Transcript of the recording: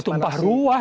ya tumpah ruah